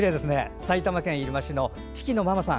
埼玉県入間市のききのままさん。